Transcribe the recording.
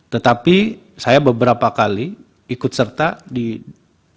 tetapi saya beberapa kali ikut serta di dalam